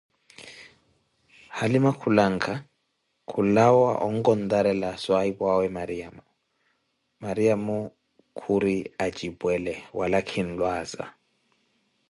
Halima khulanka khulawa onkontarela swahiphu'awe Mariamo, Mariamo khuri atjipwele wala kinlwaza